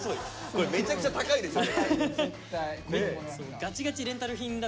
これめちゃくちゃ高いでしょ。